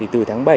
từ tháng bảy